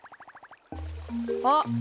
あっ！